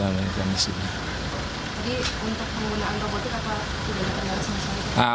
jadi untuk penggunaan robotik apa tidak ada